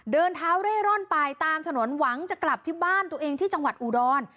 เดินเท้าเร่ร่อนไปตามถนนหวังจะกลับที่บ้านตัวเองที่จังหวัดอุดร